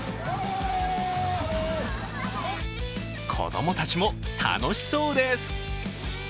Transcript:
子供たちも楽しそうです。